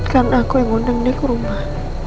karena aku yang undang dia ke rumah